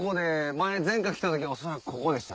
前回来た時恐らくここでした。